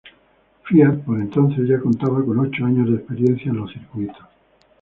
Fiat por entonces ya contaba con ocho años de experiencia en los circuitos.